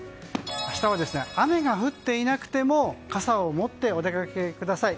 明日は雨が降っていなくても傘を持ってお出かけください。